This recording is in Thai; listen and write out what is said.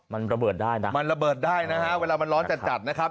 มันระเบิดได้นะเวลามันร้อนจัดนะครับ